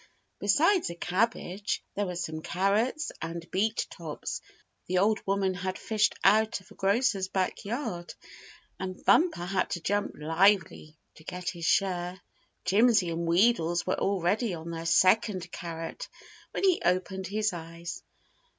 Besides a cabbage, there were some carrots and beet tops the old woman had fished out of a grocer's backyard, and Bumper had to jump lively to get his share. Jimsy and Wheedles were already on their second carrot when he opened his eyes.